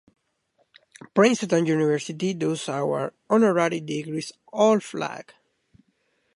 Princeton University does award honorary degrees of law.